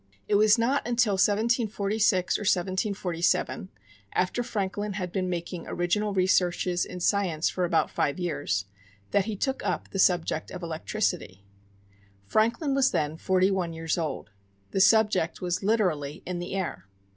It was not until 1746, or 1747, after Franklin had been making original researches in science for about five years, that he took up the subject of electricity. Franklin was then forty one years old. The subject was literally "in the air."